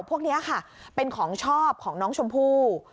พวกนี้ค่ะเป็นของชอบของน้องชมพู่